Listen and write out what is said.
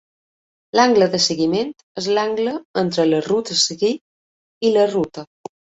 L'angle de seguiment és l'angle entre la "ruta a seguir" i la "ruta".